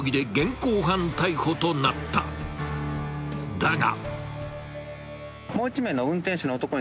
［だが］